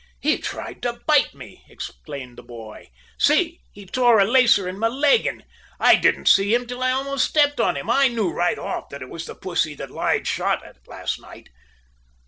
"He tried to bite me," explained the boy. "See he tore a lacer in my leggin. I didn't see him till I almost stepped on him. I knew right off that it was the pussy that Lige shot at last night."